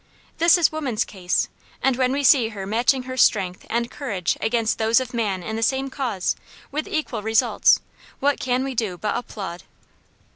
This is woman's case: and when we see her matching her strength and courage against those of man in the same cause, with equal results, what can we do but applaud?